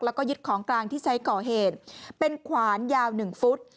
แล้วก็ยึดของกลางที่ใช้ก่อเหตุเป็นขวานยาว๑ฟุต